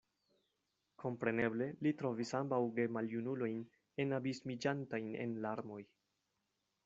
Kompreneble li trovis ambaŭ gemaljunulojn enabismiĝantajn en larmoj.